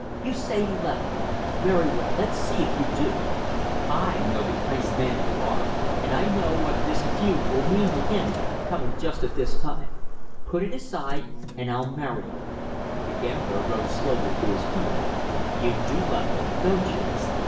"You say you love me. Very well let's see if you do. I know the kind of a man you are and I know what this feud will mean to him, coming just at this time. Put it aside and I'll marry you." The gambler rose slowly to his feet. "You do love him, don't you?"